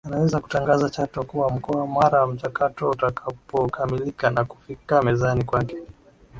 anaweza kutangaza Chato kuwa mkoa mara mchakato utakapokamilika na kufika mezani kwake